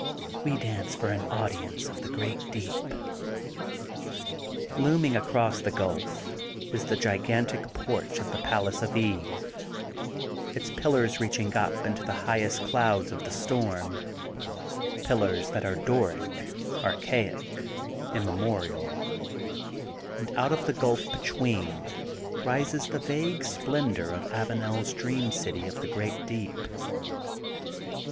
We dance for an audience of the great deep. ^' Looming across the gulf is the gigantic porch of the Palace of Eve, its pillars reach ing up into the highest clouds of the storm, pillars that are Doric, archaic, immemorial. 280 THE GOLDEN BOOK OF SPRINGFIELD And out of the gulf between rises the vague splendor of AvanePs Dream City of the Great Deep.